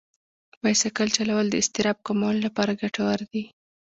بایسکل چلول د اضطراب کمولو لپاره ګټور دي.